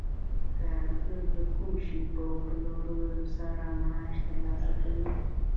کارګر د کوم شي په پلورلو سره معاش ترلاسه کوي